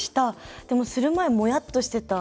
でもする前、もやっとしてた。